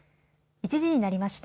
１時になりました。